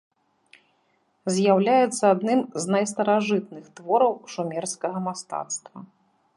З'яўляецца адным з найстаражытных твораў шумерскага мастацтва.